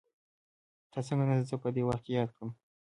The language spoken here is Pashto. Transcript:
تا څنګه نن زه په دې وخت کې ياد کړم.